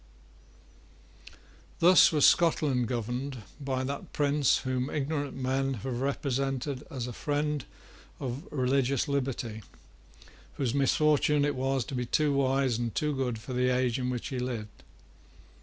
Thus was Scotland governed by that prince whom ignorant men have represented as a friend of religious liberty, whose misfortune it was to be too wise and too good for the age in which he lived.